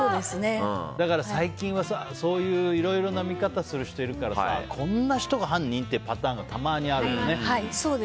だから最近はいろいろな見方する人いるからさこんな人が犯人？っていうパターンがたまにあるよね。